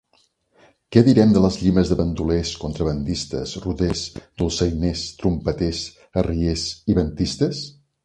Què direm de les llimes de bandolers, contrabandistes, roders, dolçainers, trompeters, arriers i ventistes?